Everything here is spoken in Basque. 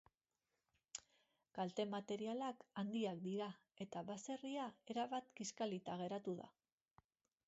Kalte materialak handiak dira, eta baserria erabat kiskalita geratu da.